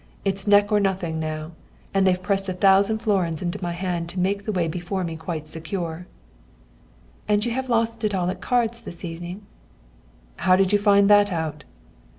It's neck or nothing now. And they've pressed a thousand florins into my hand to make the way before me quite secure.' "'And you have lost it all at cards this evening?' "'How did you find that out?'